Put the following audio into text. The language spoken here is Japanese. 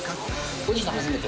お兄さん初めて？